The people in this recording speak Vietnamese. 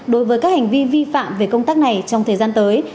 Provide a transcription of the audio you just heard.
đối với các hành vi vi phạm về công tác này trong thời gian tới